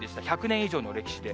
１００年以上の歴史で。